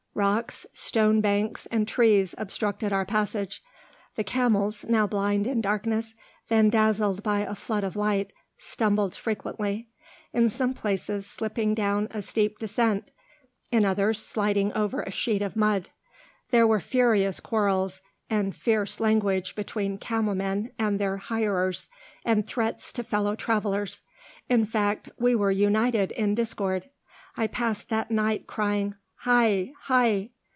Rocks, stone banks, and trees obstructed our passage. The camels, now blind in darkness, then dazzled by a flood of light, stumbled frequently; in some places slipping down a steep descent, in others sliding over a sheet of mud. There were furious quarrels and fierce language between camel men and their hirers, and threats to fellow travelers; in fact, we were united in discord. I passed that night crying "Hai! Hai!"